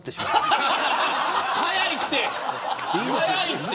早いって。